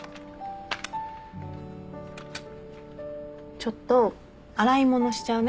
ちょっと洗い物しちゃうね。